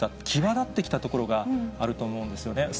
際立ってきたところがあると思うんですよね。